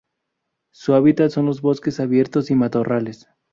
Su hábitat son los bosques abiertos y matorrales.